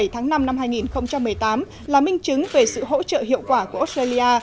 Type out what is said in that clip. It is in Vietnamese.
tháng năm năm hai nghìn một mươi tám là minh chứng về sự hỗ trợ hiệu quả của australia